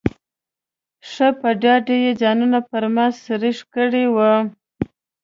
ښه په ډاډه یې ځانونه پر ما سرېښ کړي وو.